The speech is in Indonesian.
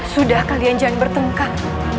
sudah kalian jangan bertengkar